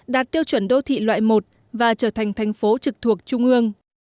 đạt tiêu chuẩn đô thị loại một và trở thành thành phố trực thuộc trung ương